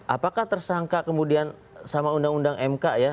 apakah tersangka kemudian sama undang undang mk ya